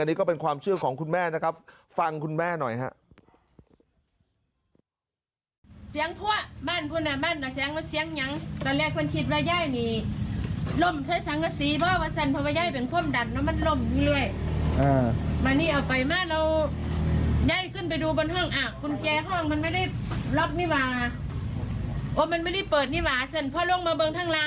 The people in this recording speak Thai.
นี่ก็เป็นความเชื่อของคุณแม่นะครับฟังคุณแม่หน่อยฮะ